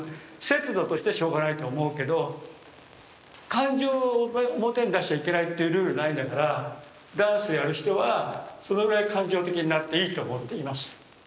節度としてしょうがないと思うけど感情を表に出しちゃいけないっていうルールないんだからダンスやる人はそのぐらい感情的になっていいと思っています。